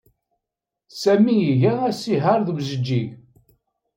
Sami iga asihaṛ ed umjeǧǧig.